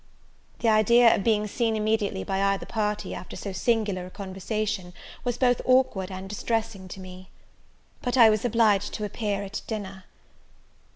The idea of being seen immediately by either party, after so singular a conversation, was both awkward and distressing to me; but I was obliged to appear at dinner.